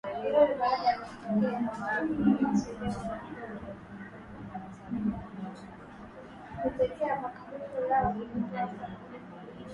Kwa kumuangalia yule mtu alibaini kuwa akili zake alikuwa amejikita kuangalia upande wa mbele